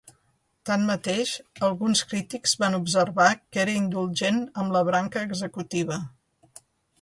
Tanmateix, alguns crítics van observar que era indulgent amb la branca executiva.